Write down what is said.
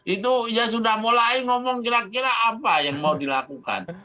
itu ya sudah mulai ngomong kira kira apa yang mau dilakukan